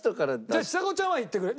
じゃあちさ子ちゃんは言ってくれる。